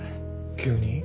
急に？